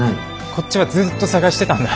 こっちはずっと捜してたんだ。